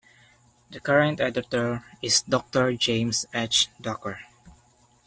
The current editor is Doctor James H. Ducker.